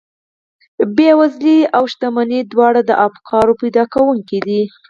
بېوزلي او شتمني دواړې د افکارو زېږنده دي